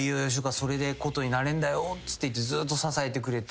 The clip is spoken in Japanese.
それでコトーになれんだよ」って言ってずっと支えてくれて。